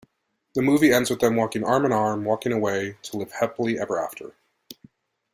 The movie ends with them arm-in-arm, walking away to live happily ever after.